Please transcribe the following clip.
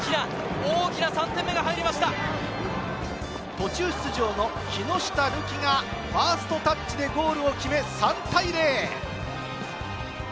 途中出場の木下瑠己がファーストタッチでゴールを決め３対０。